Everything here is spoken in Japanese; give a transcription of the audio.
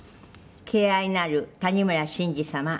「敬愛なる谷村新司様」